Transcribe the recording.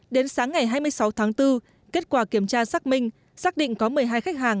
đến sáng ngày hai mươi sáu tháng bốn kết quả kiểm tra xác minh xác định có một mươi hai khách hàng